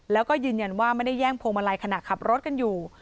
แล้วก็ยืนยันว่าไม่ได้แย่งพวงมาลัยขณะขับรถกันอยู่